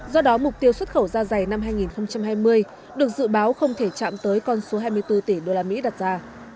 do đó mục tiêu xuất khẩu da dày năm hai nghìn hai mươi được dự báo không thể chạm tới con số hai mươi bốn tỷ usd đặt ra